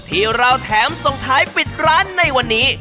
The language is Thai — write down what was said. ที่เราแถมส่งท้ายปิดร้านในวันนี้